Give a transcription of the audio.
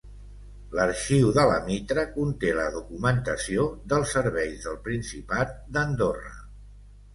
L'Arxiu de la Mitra conté la documentació dels serveis del principat d'Andorra.